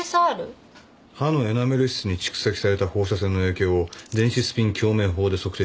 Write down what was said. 歯のエナメル質に蓄積された放射線の影響を電子スピン共鳴法で測定した結果だ。